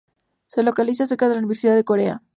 Se localiza cerca de la Universidad de Corea.